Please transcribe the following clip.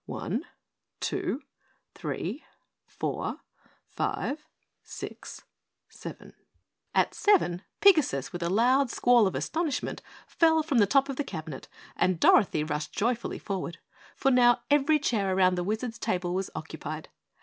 One two three four five six seven." At seven Pigasus with a loud squall of astonishment fell from the top of the cabinet, and Dorothy rushed joyfully forward. For now, every chair around the Wizard's table was occupied.